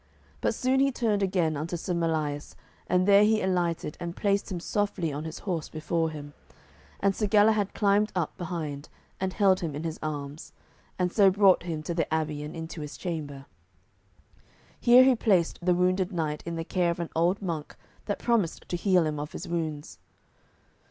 But soon he turned again unto Sir Melias, and there he alighted and placed him softly on his horse before him, and Sir Galahad climbed up behind, and held him in his arms, and so brought him to the abbey and into his chamber. Here he placed the wounded knight in the care of an old monk, that promised to heal him of his wounds.